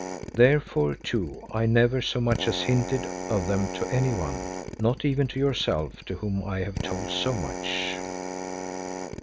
Therefore, too, I never so much as hinted of them to anyone, not even to yourself to whom I have told so much.